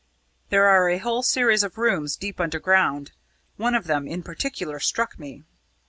There are a whole series of rooms deep underground. One of them in particular struck me.